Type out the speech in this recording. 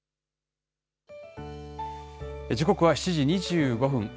時刻は７時２５分。